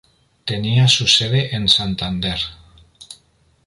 Tenía su sede en Santander.